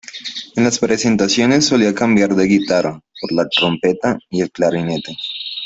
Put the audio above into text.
En las presentaciones, solía cambiar la guitarra por la trompeta y el clarinete.